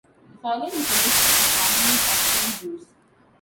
The following is a list of some prominent Austrian Jews.